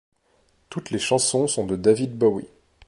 Toutes les chansons sont de David Bowie.